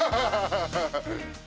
ハハハハ！